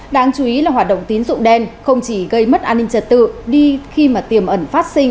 đáng chú ý là hoạt động tín dụng đen không chỉ gây mất an ninh trật tự đi khi mà tiềm ẩn phát sinh